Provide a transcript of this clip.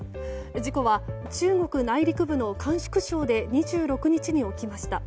事故は中国内陸部の甘粛省で２６日に起きました。